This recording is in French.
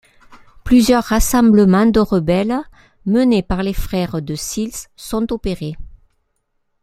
Plusieurs rassemblement de rebelles, menés par les frères de Silz sont opérés.